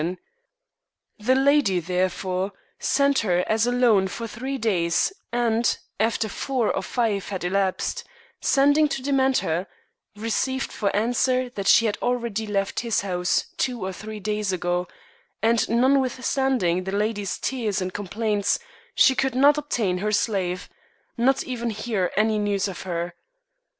94 The Withered Hand The lady, therefore, sent her as a loan for three days, and, after four or five had elapsed, sending to demand her, re ceived for answer that she had already left his house two or three days ago, and notwithstanding the lady's tears and complaints, she could not obtain her slave, nor even hear any news of her.